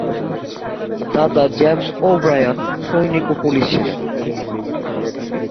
দাদা James O'Brien সৈনিক ও পুলিশ ছিলেন।